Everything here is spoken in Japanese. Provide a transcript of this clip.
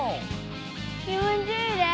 気持ちいいです。